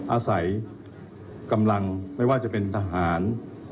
อาศัยกำลังไม่ว่าจะเป็นทหาร